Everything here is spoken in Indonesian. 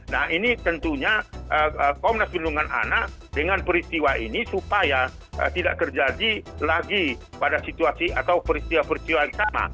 nah ini tentunya komnas perlindungan anak dengan peristiwa ini supaya tidak terjadi lagi pada situasi atau peristiwa peristiwa yang sama